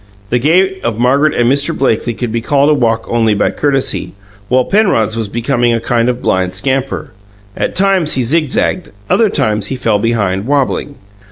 The gait of Margaret and Mr. Blakely could be called a walk only by courtesy, while Penrod's was becoming a kind of blind scamper. At times he zigzagged; other times, he fell behind, wabbling.